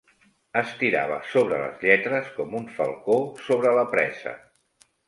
Es tirava sobre les lletres com un falcó sobre la presa.